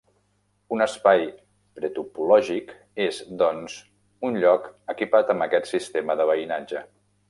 Un espai pretopològic és, doncs, un lloc equipat amb aquest sistema de veïnatge.